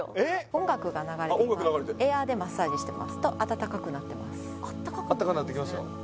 音楽が流れて今エアでマッサージしてますとあたたかくなってますあったかなってきました？